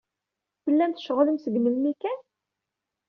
Tellam tceɣlem seg melmi kan?